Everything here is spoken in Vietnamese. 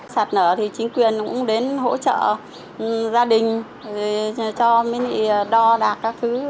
sạt nở thì chính quyền cũng đến hỗ trợ gia đình cho đo đạt các thứ